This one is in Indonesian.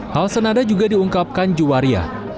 hal senada juga diungkapkan juwaria